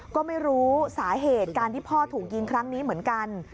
ก็ไม่รู้สาเหตุการที่พ่อถูกยิงครั้งนี้เหมือนกัน